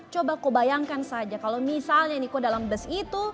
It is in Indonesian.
coba kau bayangkan saja kalau misalnya niko dalam bus itu